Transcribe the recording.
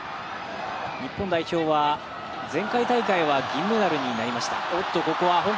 日本代表は前回大会は銀メダルになりました。